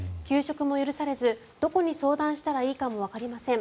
休職も許されずどこに相談したらいいかもわかりません。